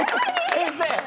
先生！